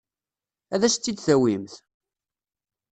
Ad as-tt-id-tawimt?